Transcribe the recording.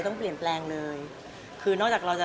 ต้องเปลี่ยนแปลงเลยคือนอกจากเราจะ